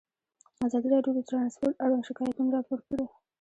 ازادي راډیو د ترانسپورټ اړوند شکایتونه راپور کړي.